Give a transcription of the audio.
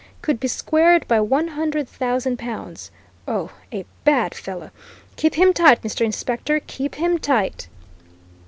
could be squared by one hundred thousand pounds! Oh, a bad fellow! Keep him tight, Mr. Inspector, keep him tight!"